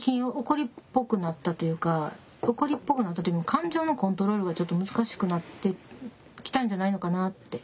怒りっぽくなったというよりも感情のコントロールがちょっと難しくなってきたんじゃないのかなって。